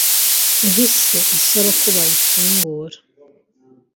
yahise asaba ko bayifungura,